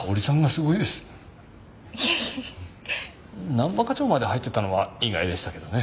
難波課長まで入ってたのは意外でしたけどね。